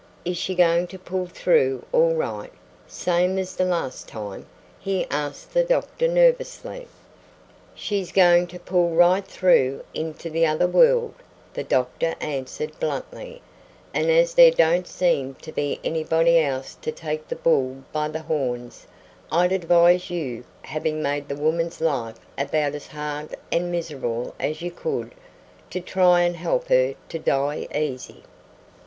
Is she goin' to pull through all right, same as the last time?" he asked the doctor nervously. "She's going to pull right through into the other world," the doctor answered bluntly; "and as there don't seem to be anybody else to take the bull by the horns, I'd advise you, having made the woman's life about as hard and miserable as you could, to try and help her to die easy!"